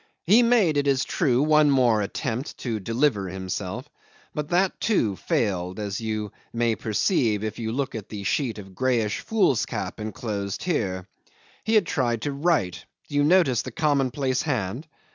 He made, it is true, one more attempt to deliver himself; but that too failed, as you may perceive if you look at the sheet of greyish foolscap enclosed here. He had tried to write; do you notice the commonplace hand?